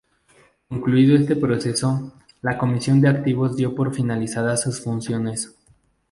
Concluido este proceso, la Comisión de Activos dio por finalizadas sus funciones.